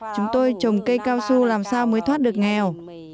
chúng tôi trồng cây cao su làm sao mới thoát được nghèo